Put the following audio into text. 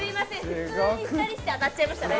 普通に２人して当たっちゃいましたね